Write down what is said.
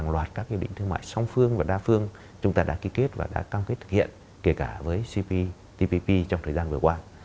loạt các hiệp định thương mại song phương và đa phương chúng ta đã ký kết và đã cam kết thực hiện kể cả với cptpp trong thời gian vừa qua